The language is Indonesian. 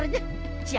ini saya pembarto oh